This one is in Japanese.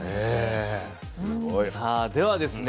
さあではですね